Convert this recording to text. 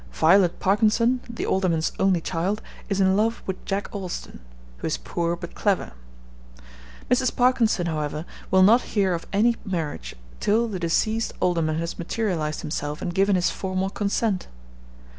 Violet Parkinson, the Alderman's only child, is in love with Jack Alston, who is 'poor, but clever.' Mrs. Parkinson, however, will not hear of any marriage till the deceased Alderman has materialised himself and given his formal consent.